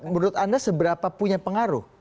menurut anda seberapa punya pengaruh